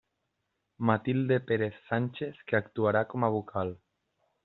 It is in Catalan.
Matilde Pérez Sánchez, que actuarà com a vocal.